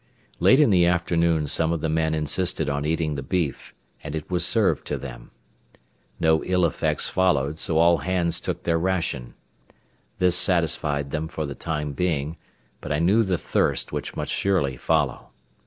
Late in the afternoon some of the men insisted on eating the beef, and it was served to them. No ill effects followed, so all hands took their ration. This satisfied them for the time being, but I knew the thirst which must surely follow.